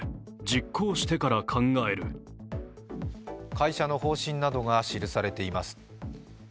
会社の方針などが記されています。